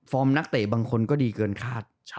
ฟอร์มนักเตะบางคนก็ดีเกินขาด